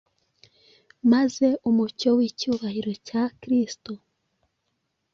maze umucyo w’icyubahiro cya Kristo